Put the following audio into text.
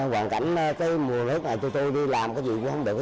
vẫn rất là cảm ơn nhà